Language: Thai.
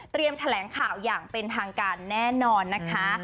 แถลงข่าวอย่างเป็นทางการแน่นอนนะคะ